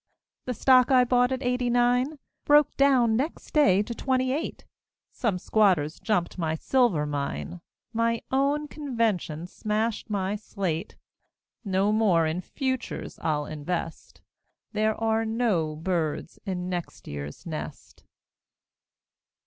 The stock I bought at eighty nine, Broke down next day to twenty eight; Some squatters jumped my silver mine, My own convention smashed my slate; No more in "futures" I'll invest There are no birds in next year's nest.